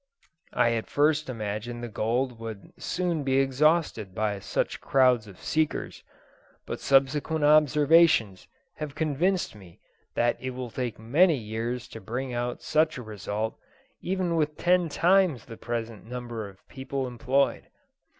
I at first imagined the gold would soon be exhausted by such crowds of seekers, but subsequent observations have convinced me that it will take many years to bring about such a result, even with ten times the present number of people employed.